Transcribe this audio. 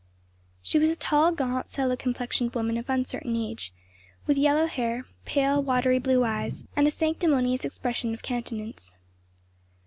She was a tall, gaunt, sallow complexioned woman of uncertain age, with yellow hair, pale watery blue eyes, and a sanctimonious expression of countenance.